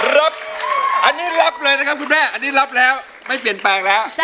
รับอันนี้รับเลยนะครับคุณแม่อันนี้รับแล้วไม่เปลี่ยนแปลงแล้ว